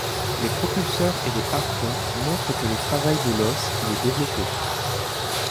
Les propulseurs et les harpons montrent que le travail de l'os y est développé.